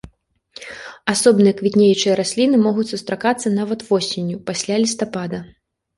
Асобныя квітнеючыя расліны могуць сустракацца нават восенню, пасля лістапада.